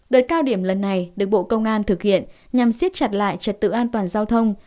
đợt cao điểm lần này được bộ công an thực hiện nhằm siết chặt lại trật tự an toàn giao thông